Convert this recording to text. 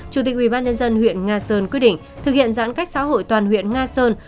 chủ tịch ubnd huyện nga sơn quyết định thực hiện giãn cách xã hội toàn huyện nga sơn